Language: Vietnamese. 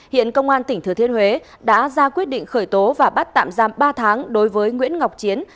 hiện công an tỉnh thừa thiên huế đã ra quyết định khởi tố và bắt tạm giam ba tháng đối với nguyễn ngọc chiến